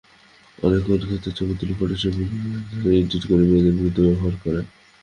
অনেক ক্ষেত্রে ছবি তুলে ফটোশপে এডিট করে মেয়েদের বিরুদ্ধে ব্যবহার করে।